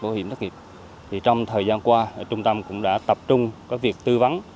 bảo hiểm thất nghiệp thì trong thời gian qua trung tâm cũng đã tập trung việc tư vấn